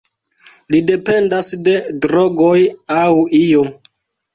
Li dependas de drogoj aŭ io.